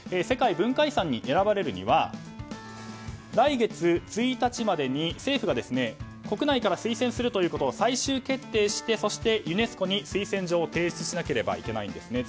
世界文化遺産に選ばれるには来月１日までに政府が国内から推薦することを最終決定してそして、ユネスコに推薦状を提出しなければいけないんです。